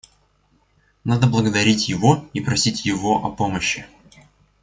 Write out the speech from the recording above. Надо благодарить Его и просить Его о помощи.